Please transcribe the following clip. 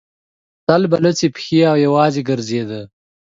تل به لڅې پښې او یوازې ګرځېد.